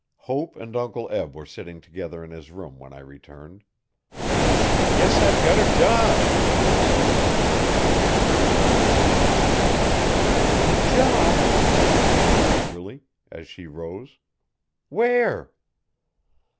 Hope and Uncle Eb were sitting together in his room when I returned. 'Guess I've got a job,' I said, trying to be very cool about it.. 'A job! said Hope eagerly, as she rose. 'Where?